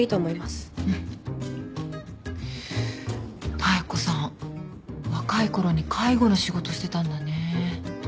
妙子さん若いころに介護の仕事してたんだね。